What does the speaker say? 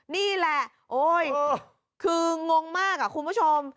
นี่แหละโอ๊ยคืองงมากคุณผู้ชม